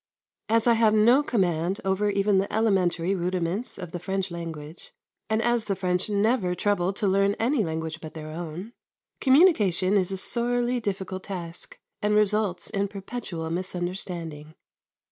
As I have no command over even the elementary rudiments of the French language, and as the French never trouble to learn any language but their own, communication is a sorely difficult task and results in perpetual misunderstanding.